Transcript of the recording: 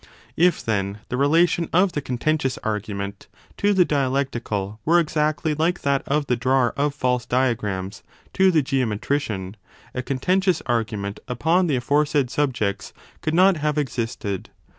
If, then, the relation of the conten tious argument to the dialectical were exactly like that of I0 the drawer of false diagrams to the geometrician, a conten tious argument upon the aforesaid subjects could not have existed.